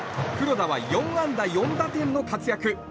黒田は４安打４打点の活躍。